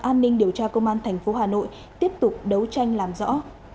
an ninh điều tra công an thành phố hà nội tiếp tục đấu tranh làm rõ